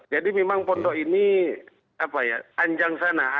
jadi memang pondok ini anjang sana